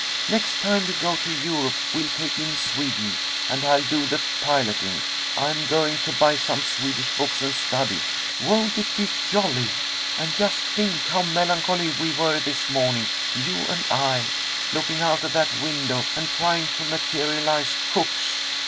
Next time we go to Europe we'll take in Sweden, and I'll do the piloting. I am going to buy some Swedish books, and study. Won't it be jolly? And just think how melancholy we were this morning, you and I, looking out of that window, and trying to materialize cooks.